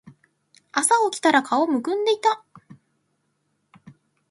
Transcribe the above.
朝起きたら顔浮腫んでいた